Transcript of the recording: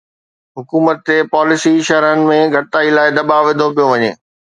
حڪومت تي پاليسي شرحن ۾ گهٽتائي لاءِ دٻاءُ وڌو پيو وڃي